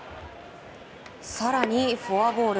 更にフォアボール。